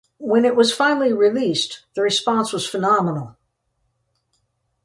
When it was finally released, the response was phenomenal.